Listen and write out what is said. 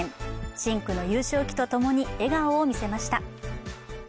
深紅の優勝旗とともに笑顔を見せました。